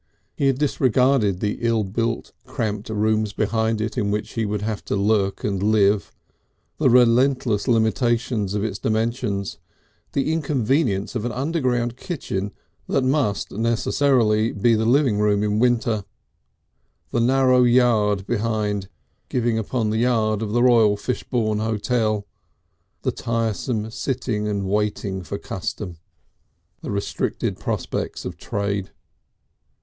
He had disregarded the ill built cramped rooms behind it in which he would have to lurk and live, the relentless limitations of its dimensions, the inconvenience of an underground kitchen that must necessarily be the living room in winter, the narrow yard behind giving upon the yard of the Royal Fishbourne Hotel, the tiresome sitting and waiting for custom, the restricted prospects of trade.